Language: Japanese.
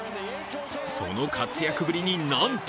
その活躍ぶりに、なんと！